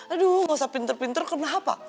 aduh gusah pinter pinter kenapa